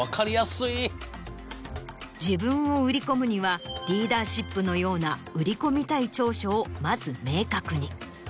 自分を売り込むにはリーダーシップのような売り込みたい長所をまず明確に。